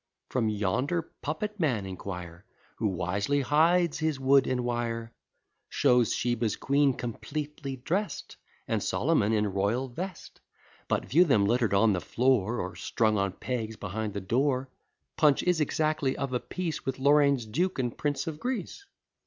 From yonder puppet man inquire, Who wisely hides his wood and wire; Shows Sheba's queen completely drest, And Solomon in royal vest: But view them litter'd on the floor, Or strung on pegs behind the door; Punch is exactly of a piece With Lorrain's duke, and prince of Greece.